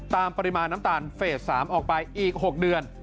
ปริมาณน้ำตาลเฟส๓ออกไปอีก๖เดือน